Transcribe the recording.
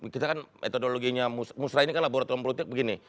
kita kan metodologinya musrah ini kan laboratorium politik begini